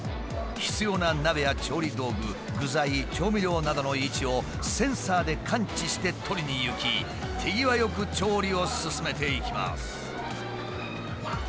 必要な鍋や調理道具具材調味料などの位置をセンサーで感知して取りに行き手際良く調理を進めていきます。